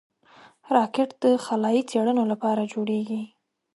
راکټ د خلایي څېړنو لپاره جوړېږي